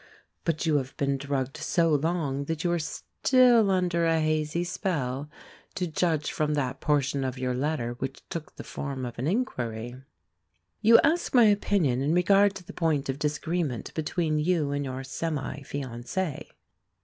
But you have been drugged so long that you are still under a hazy spell, to judge from that portion of your letter which took the form of an inquiry. You ask my opinion in regard to the point of disagreement between you and your semi fiancé.